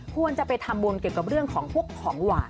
พวงก็จะไปทำวันเกี่ยวกับเรื่องของพวกกากของหวาน